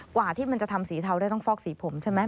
กว่าที่มันจะทำสีเทาได้ต้องฟอกสีผมใช่ไหม